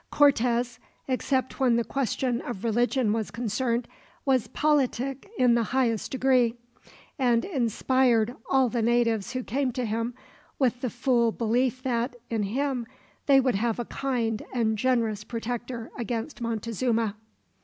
Cortez, except when the question of religion was concerned, was politic in the highest degree; and inspired all the natives who came to him with the full belief that, in him, they would have a kind and generous protector against Montezuma.